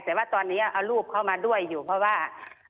แต่ว่าตอนนี้เอารูปเข้ามาด้วยอยู่เพราะว่า